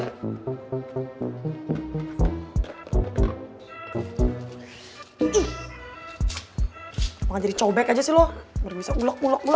kamu gak jadi cobek aja sih lo baru bisa ulog ulog tiap hari